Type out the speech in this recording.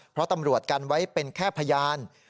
เพราะตำรวจกันไว้เป็นแค่พยาน